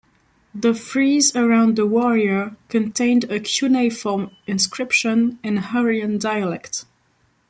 The frieze around the warrior contained a cuneiform inscription in Hurrian dialect.